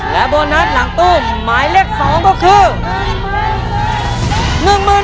และโบนัสหลังตู้หมายเลข๒ก็คือ